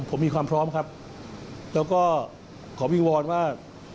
ผมมีความพร้อมครับแล้วก็ขอวิงวอนว่า